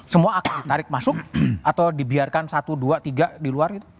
semua akan ditarik masuk atau dibiarkan satu dua tiga di luar gitu